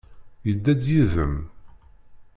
Yedda-d yid-m?